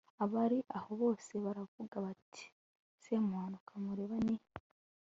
abari aho bose baravuga bati semuhanuka mureba ni